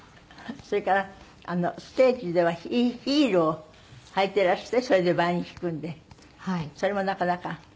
それからステージではヒールを履いていらしてそれでヴァイオリン弾くんでそれもなかなか。